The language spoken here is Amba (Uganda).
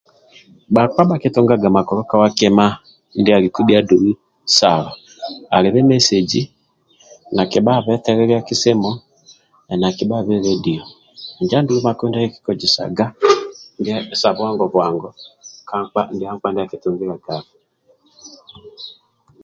Bhakpa bhakitungaga makulu kowa kima ndialiku bhia dou salo, alibe message nakibhabe teliliaki simu nakibhabe lediyo injo andulu makulu ndia yekikojesaga ndia sa bwangu bwangu ka nkpa ndia nkpa ndia akitungiliagaku.